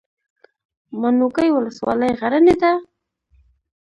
ماڼوګي ولسوالۍ غرنۍ ده؟